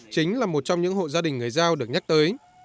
chính là một trong những hộ gia đình người giao được nhắc tới